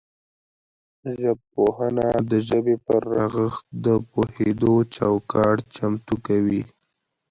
ژبپوهنه د ژبې پر رغښت د پوهیدو چوکاټ چمتو کوي